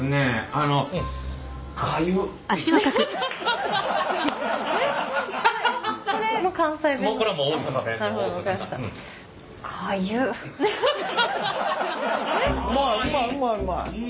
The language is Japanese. ああうまいうまいうまい。